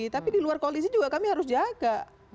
tapi di luar koalisi juga kami harus jaga